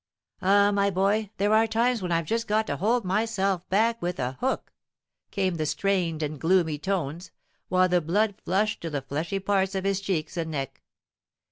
"Ah, my boy, there are times when I've just got to hold myself back with a hook," came the strained and gloomy tones, while the blood flushed to the fleshy parts of his cheeks and neck.